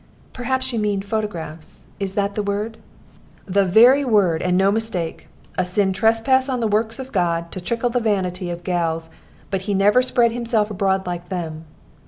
"Perhaps you mean photographs. Is that the word?" "The very word, and no mistake. A sinful trespass on the works of God, to tickle the vanity of gals. But he never spread himself abroad like them.